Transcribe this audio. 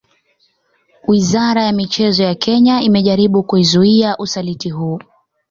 Wizara ya michezo ya Kenya imejaribu kuzuia usaliti huu